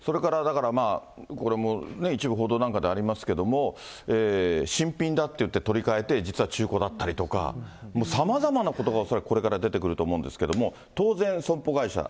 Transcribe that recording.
それからだからまあ、これも一部報道なんかでもありますけれども、新品だって言って取りかえて、実は中古だったりとか、もうさまざまなことが恐らくこれから出てくると思うんですけども。